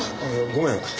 ごめん。